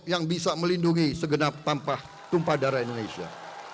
yang bisa melindungi segenap tanpa tumpah darah indonesia